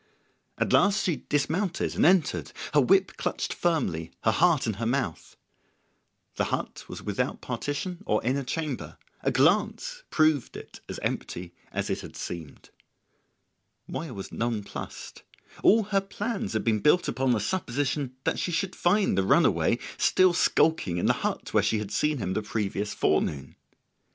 At last she dismounted and entered, her whip clutched firmly, her heart in her mouth. The hut was without partition or inner chamber. A glance proved it as empty as it had seemed. Moya was nonplussed: all her plans had been built upon the supposition that she should find the runaway still skulking in the hut where she had seen him the previous forenoon.